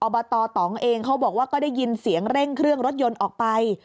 บตตองเองเขาบอกว่าก็ได้ยินเสียงเร่งเครื่องรถยนต์ออกไป